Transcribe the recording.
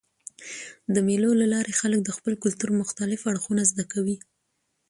د مېلو له لاري خلک د خپل کلتور مختلف اړخونه زده کوي.